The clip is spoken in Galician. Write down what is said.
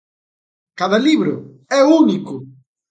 Cada libro é único.